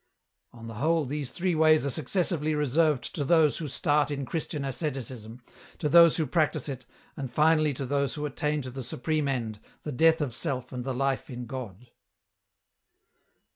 " On the whole, these three ways are successively reserved to those who start in Christian asceticism, to those who practise it, and finally to those who attain to the supreme end, the death of self and the life in God.